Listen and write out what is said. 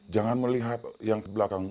jangan melihat yang ke belakang